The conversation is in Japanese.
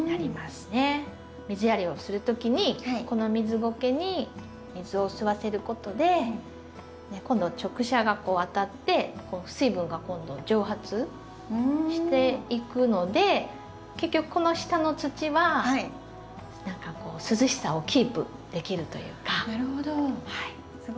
水やりをする時にこの水ごけに水を吸わせることで直射が当たって水分が今度蒸発していくので結局この下の土は何かこう涼しさをキープできるというか。